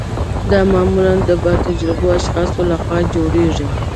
دا معمولا د با تجربه اشخاصو لخوا جوړیږي.